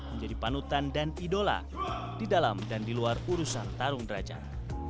menjadi panutan dan idola di dalam dan di luar urusan tarung derajat